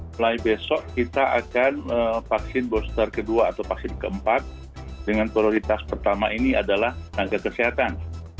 mulai besok kita akan vaksin booster kedua atau vaksin keempat dengan prioritas pertama ini adalah tenaga kesehatan